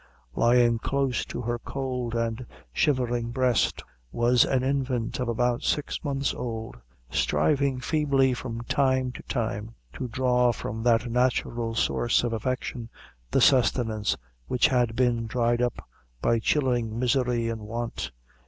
Lying close to her cold and shivering breast was an infant of about six months old, striving feebly, from time to time, to draw from that natural source of affection the sustenance which had been dried up by chilling misery and want.